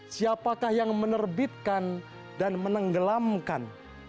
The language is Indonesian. siapakah yang menerbitkan dan menenggelamkan